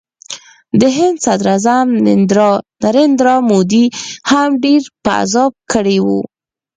د هند صدراعظم نریندرا مودي هم ډېر په عذاب کړی و